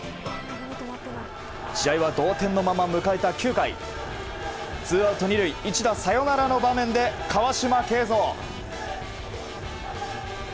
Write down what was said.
試合は同点のまま迎えた９回ツーアウト２塁一打サヨナラの場面で川島慶三。